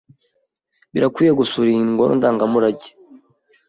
Birakwiye gusura iyo ngoro ndangamurage.